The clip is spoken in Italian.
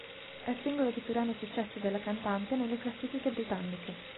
È il singolo di più grande successo della cantante nelle classifiche britanniche.